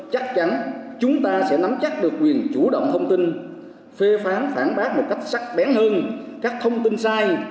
chắc chắn chúng ta sẽ nắm chắc được quyền chủ động thông tin phê phán phản bác một cách sắc bén hơn các thông tin sai